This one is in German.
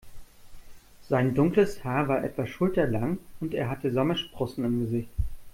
Sein dunkles Haar war etwa schulterlang und er hatte Sommersprossen im Gesicht.